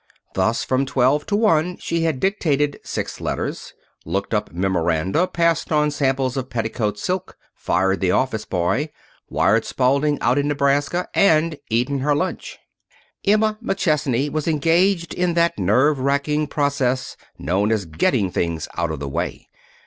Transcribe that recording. Thus, from twelve to one she had dictated six letters, looked up memoranda, passed on samples of petticoat silk, fired the office boy, wired Spalding out in Nebraska, and eaten her lunch. Emma McChesney was engaged in that nerve racking process known as getting things out of the way.